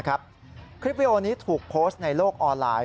คลิปวิดีโอนี้ถูกโพสต์ในโลกออนไลน์